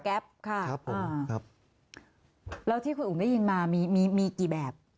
ค่ะครับผมครับแล้วที่คุณอุ๋มได้ยินมามีมีกี่แบบ